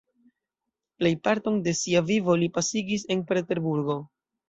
Plejparton de sia vivo li pasigis en Peterburgo.